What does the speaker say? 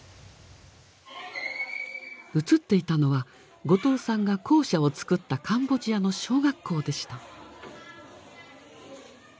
写っていたのは後藤さんが校舎をつくったカンボジアの小学校でした。